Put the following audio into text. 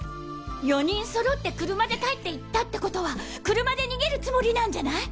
４人そろって車で帰っていったってことは車で逃げるつもりなんじゃない？